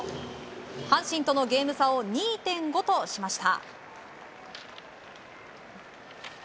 阪神とのゲーム差を２．５としました。